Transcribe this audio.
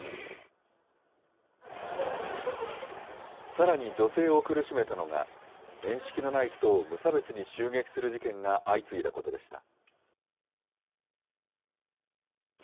さらに女性を苦しめたのが面識のない人を無差別に襲撃する事件が相次いだことでした。